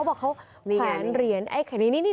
แผนเหรียญไข่นี่